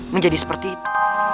menjadi seperti itu